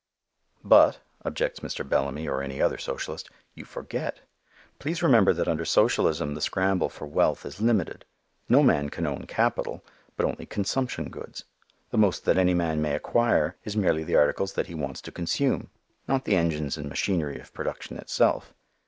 "But," objects Mr. Bellamy or any other socialist, "you forget. Please remember that under socialism the scramble for wealth is limited; no man can own capital, but only consumption goods. The most that any man may acquire is merely the articles that he wants to consume, not the engines and machinery of production itself.